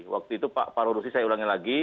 waktu itu pak parurusi saya ulangi lagi